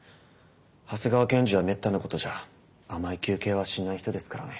長谷川検事はめったなことじゃ甘い求刑はしない人ですからね。